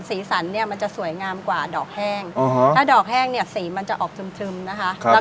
สีสันเนี้ยมันจะสวยงามกว่าดอกแห้งอ๋อฮะถ้าดอกแห้งเนี้ยสีมันจะออกทึ่มทึ่มนะคะครับผม